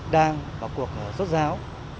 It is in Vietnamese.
đang vào cuộc xuất giáo